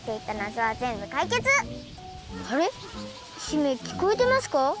姫きこえてますか？